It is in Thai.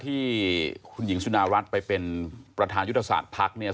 ที่คุณหญิงสุดารัฐไปเป็นประธานยุทธศาสตร์ภักดิ์เนี่ย